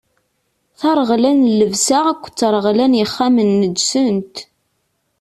Tareɣla n llebsa akked treɣla n yexxamen neǧsent.